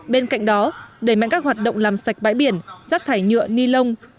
bên cạnh đó đẩy mạnh các hoạt động làm sạch bãi biển rác thải nhựa ni lông